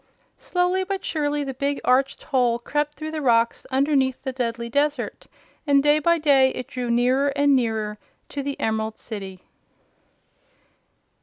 Slowly but surely the big, arched hole crept through the rocks underneath the deadly desert, and day by day it drew nearer and nearer to the Emerald City.